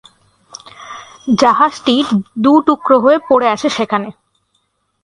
জাহাজটি দু টুকরো হয়ে পড়ে আছে সেখানে।